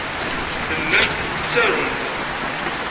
Tellamt tettarumt.